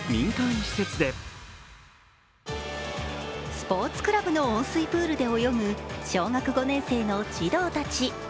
スポ−ツクラブの温水プールで泳ぐ小学５年生の児童たち。